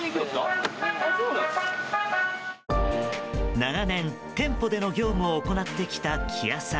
長年、店舗での業務を行ってきた木谷さん。